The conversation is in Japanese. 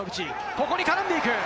ここに絡んでいく。